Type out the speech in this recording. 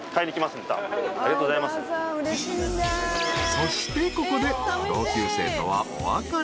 ［そしてここで］